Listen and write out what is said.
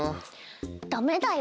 ダメだよ。